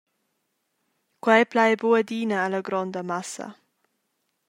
Quei plai buc adina alla gronda massa.